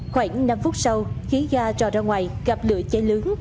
khoảng năm phút sau khí ga rò ra ngoài gặp lửa cháy lướng